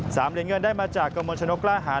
เหรียญเงินได้มาจากกระมวลชนกกล้าหา